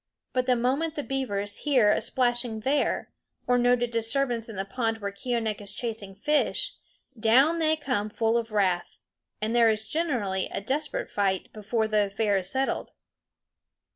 But the moment the beavers hear a splashing there, or note a disturbance in the pond where Keeonekh is chasing fish, down they come full of wrath. And there is generally a desperate fight before the affair is settled.